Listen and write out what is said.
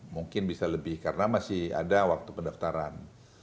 mungkin bisa lebih karena masih ada waktu pendaftaran